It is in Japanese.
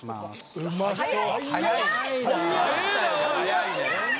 うまそう！